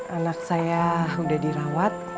anak saya udah dirawat